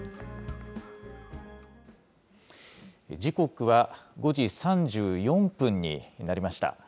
時刻は５時３４分になりました。